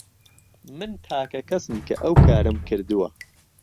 من تاکە کەسم کە ئەو کارەم کردووە.